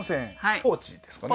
ポーチですかね？